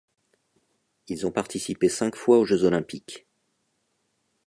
Ils ont participé cinq fois aux Jeux olympiques.